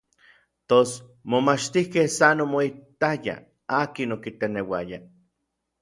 Tos momachtijkej san omoijitayaj, akin okiteneuaya.